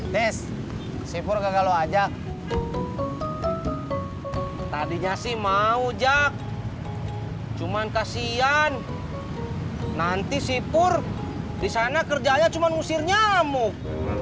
tes sipur gagal ajak tadinya sih mau jack cuman kasihan nanti sipur di sana kerjanya cuma ngusir nyamuk